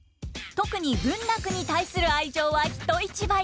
特に文楽に対する愛情はひと一倍！